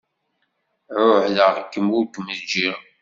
Ɛuhdeɣ-kem ur kem-ǧǧiɣ.